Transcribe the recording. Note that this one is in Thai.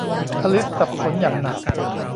อลิซสับสนอย่างหนัก